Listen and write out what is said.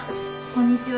こんにちは。